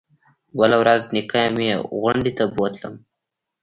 بله ورځ نيكه مې غونډۍ ته بوتلم.